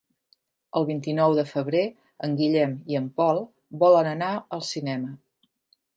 El vint-i-nou de febrer en Guillem i en Pol volen anar al cinema.